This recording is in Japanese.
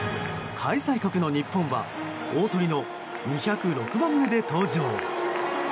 開催国の日本は大トリの２０６番目で登場。